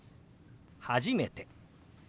「初めて」。